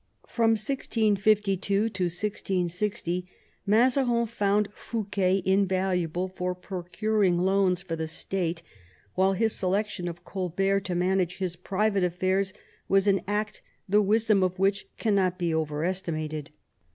From 1652 to 1660 Mazarin found Fouquet invaluable for procuring loans for the State, while his selection of Colbert to manage his private affairs was an act the wisdom of which cannot be over estimated.